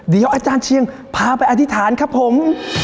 เดี๋ยวอาจารย์เชียงพาไปอธิษฐานครับผม